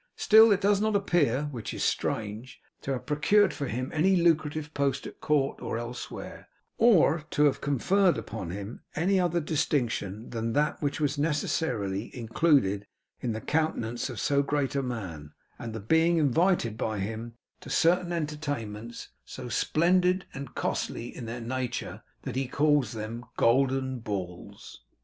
Still it does not appear (which is strange) to have procured for him any lucrative post at court or elsewhere, or to have conferred upon him any other distinction than that which was necessarily included in the countenance of so great a man, and the being invited by him to certain entertainment's, so splendid and costly in their nature, that he calls them 'Golden Balls.